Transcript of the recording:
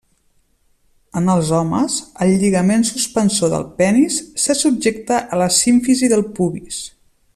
En els homes, el lligament suspensor del penis, se subjecta a la símfisi del pubis.